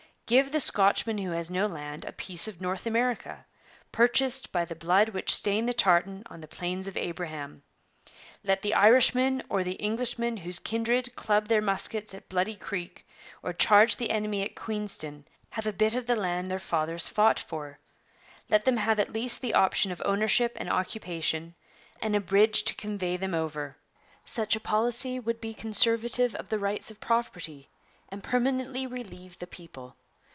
Give the Scotchman who has no land a piece of North America, purchased by the blood which stained the tartan on the Plains of Abraham. Let the Irishman or the Englishman whose kindred clubbed their muskets at Bloody Creek, or charged the enemy at Queenston, have a bit of the land their fathers fought for. Let them have at least the option of ownership and occupation, and a bridge to convey them over. Such a policy would be conservative of the rights of property and permanently relieve the people.